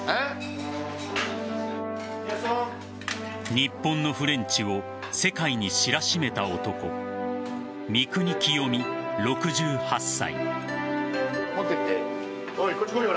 日本のフレンチを世界に知らしめた男三國清三、６８歳。